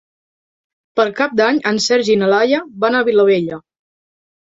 Per Cap d'Any en Sergi i na Laia van a Vilabella.